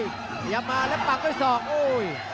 พยายามมาแล้วปักด้วย๒